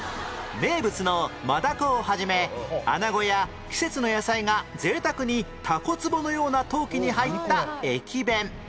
名物の真ダコを始めアナゴや季節野菜が贅沢にタコ壺のような陶器に入った駅弁